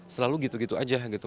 selalu gitu gitu aja gitu